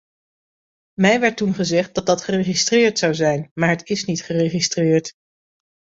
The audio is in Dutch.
Mij werd toen gezegd dat dat geregistreerd zou zijn, maar het is niet geregistreerd.